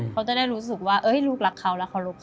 เขาจะได้รู้สึกว่าลูกรักเขา